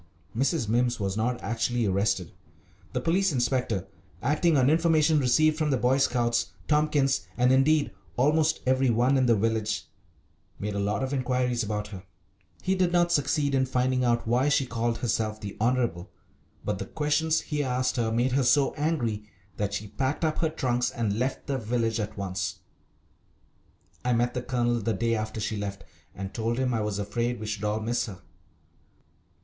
Mrs. Mimms was not actually arrested. The police inspector acting on information received from the Boy Scouts, Tompkins, and indeed almost every one in the village made a lot of inquiries about her. He did not succeed in finding out why she called herself "the Honourable," but the questions he asked her made her so angry that she packed up her trunks and left the village at once. I met the Colonel the day after she left, and told him I was afraid we should all miss her.